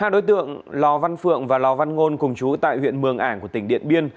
hai đối tượng lò văn phượng và lò văn ngôn cùng chú tại huyện mường ảng của tỉnh điện biên